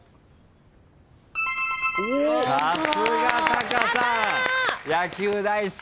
さすが貴さん！